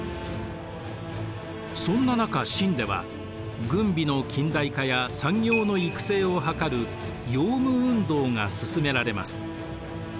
そんな中清では軍備の近代化や産業の育成を図る洋務運動が進められます。